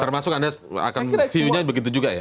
termasuk anda akan view nya begitu juga ya